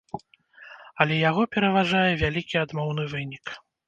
Але яго пераважвае вялікі адмоўны вынік!